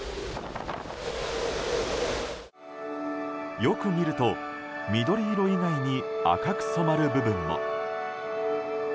よく見ると緑色以外に赤く染まる部分も。